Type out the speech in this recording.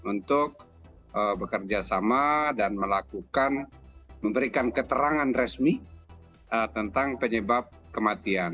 untuk bekerja sama dan melakukan memberikan keterangan resmi tentang penyebab kematian